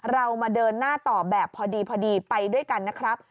เรามาเดินหน้าต่อแบบพอดีไปด้วยกันนะครับ